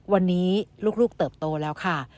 วันนี้ลูกเติบโตแล้วค่ะ